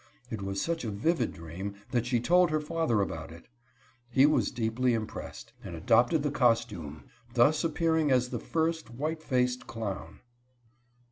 It was such a vivid dream that she told her father about it. He was deeply impressed, and adopted the costume, thus appearing as the first white faced clown.